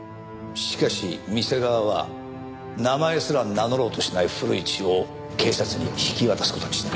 しかし店側は名前すら名乗ろうとしない古市を警察に引き渡す事にした。